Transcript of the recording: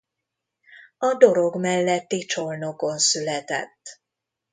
A Dorog melletti Csolnokon született.